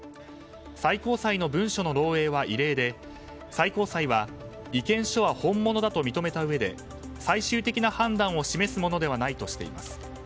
最高裁の文書の漏洩は異例で最高裁は意見書は本物だと認めたうえで最終的な判断を示すものではないとしています。